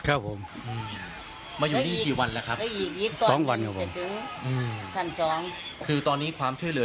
ครับผมมาอยู่นี่กี่วันแล้วครับสองวันครับผม๑๒๐๐คือตอนนี้ความช่วยเหลือ